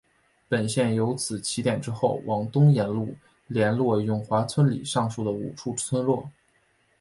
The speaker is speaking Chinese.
本线由此起点之后往东沿路连络永华村里上述的五处村落。